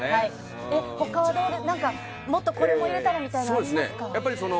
他に、もっとこれも入れたらみたいなのはありますか？